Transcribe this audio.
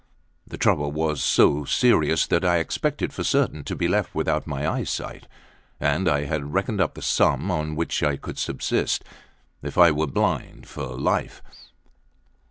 The trouble was so serious that I expected for certain to be left without my eyesight; and I had reckoned up the sum on which I could subsist, if I were blind for life.